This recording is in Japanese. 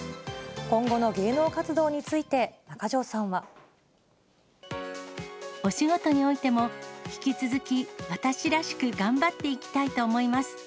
今後の芸能活動について、中条さんは。お仕事においても、引き続き、私らしく頑張っていきたいと思います。